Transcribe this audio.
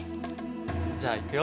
じゃあいくよ。